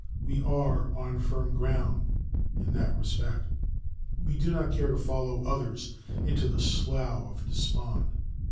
We are on firm ground in that respect; we do not care to follow others into the "slough of despond."